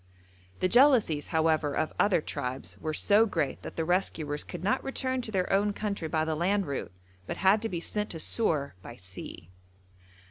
The jealousies, however, of other tribes were so great that the rescuers could not return to their own country by the land route, but had to be sent to Sur by sea.